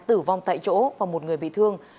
tử vong tại chỗ và một người bị thương